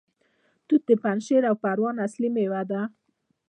توت د پنجشیر او پروان اصلي میوه ده.